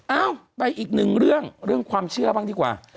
เอ้าไปอีกหนึ่งเรื่องเรื่องความเชื่อบ้างดีกว่า